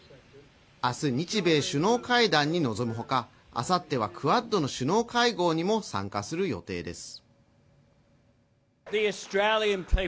明日、日米首脳会談に望むほか、あさってはクアッドの首脳会合にも参加する予定です。